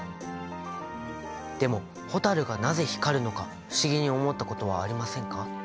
でも蛍がなぜ光るのか不思議に思ったことはありませんか？